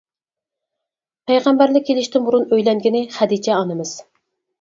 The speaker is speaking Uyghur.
پەيغەمبەرلىك كېلىشتىن بۇرۇن ئۆيلەنگىنى خەدىچە ئانىمىز!